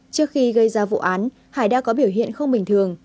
trước khi gây ra vụ án hải đã có biểu hiện không bình thường